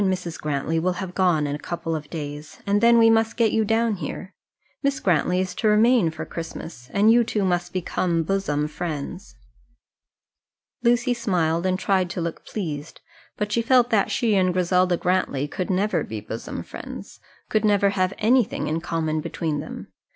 and Mrs. Grantly will have gone in a couple of days, and then we must get you down here. Miss Grantly is to remain for Christmas, and you two must become bosom friends." Lucy smiled, and tried to look pleased, but she felt that she and Griselda Grantly could never be bosom friends could never have anything in common between them.